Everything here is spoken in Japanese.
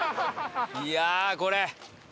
いやあこれ。